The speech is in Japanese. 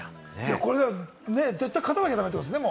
絶対勝たなきゃ駄目ってことですね。